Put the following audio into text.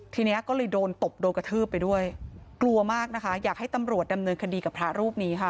ทีนี้ก็เลยโดนตบโดนกระทืบไปด้วยกลัวมากนะคะอยากให้ตำรวจดำเนินคดีกับพระรูปนี้ค่ะ